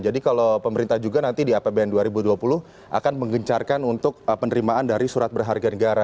jadi kalau pemerintah juga nanti di apbn dua ribu dua puluh akan menggencarkan untuk penerimaan dari surat berharga negara